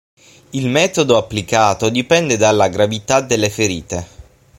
Il metodo applicato dipende dalla gravità delle ferite.